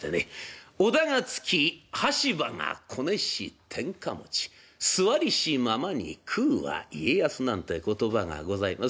「織田がつき羽柴がこねし天下餅座りしままに食うは家康」なんて言葉がございます。